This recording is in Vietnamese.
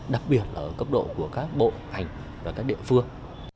đặc biệt là ở cấp độ của các bộ ngành và các địa phương